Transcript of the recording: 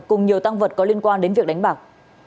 cùng nhiều tăng vật có liên quan đến việc đánh bạc